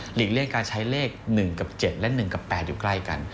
เลี่ยงการใช้เลข๑กับ๗และ๑กับ๘อยู่ใกล้กัน